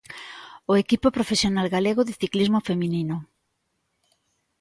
O equipo profesional galego de ciclismo feminino.